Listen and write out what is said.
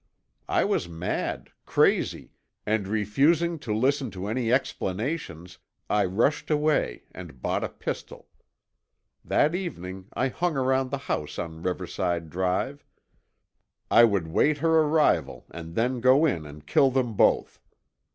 I was mad, crazy, and refusing to listen to any explanations I rushed away and bought a pistol. That evening I hung around the house on Riverside Drive. I would wait her arrival and then go in and kill them both.